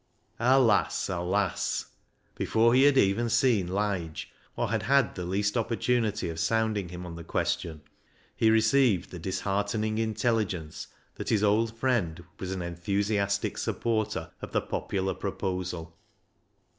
Alas ! alas ! Before he had even seen Lige, or had had the least opportunity of sounding him on the question, he received the disheart ening intelligence that his old friend was an enthusiastic supporter of the popular proposal.